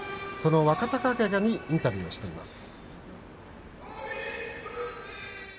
若隆景にインタビューしています。